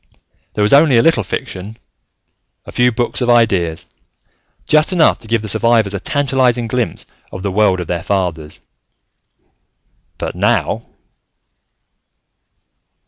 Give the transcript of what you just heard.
There was only a little fiction, a few books of ideas, just enough to give the survivors a tantalizing glimpse of the world of their fathers. But now....